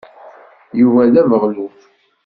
Yuba d abeɣluf.